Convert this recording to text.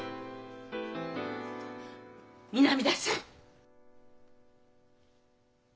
南田さん！